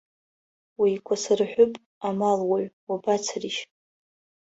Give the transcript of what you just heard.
Уеикәасырҳәып, амалуаҩ, уабацаришь!